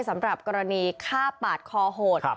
สำหรับกรณีฆ่าปาดคอโหด